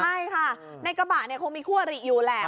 ใช่ค่ะในกระบะเขามีคั่วภูมิอยู่แหละ